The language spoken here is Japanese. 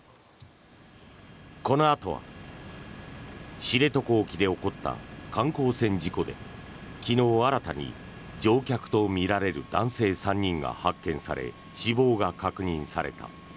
このあとは知床沖で起こった観光船事故で昨日新たに乗客とみられる男性３人が発見され死亡が確認された。